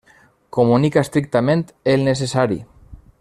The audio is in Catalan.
Comunica estrictament el necessari.